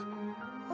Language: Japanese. あ。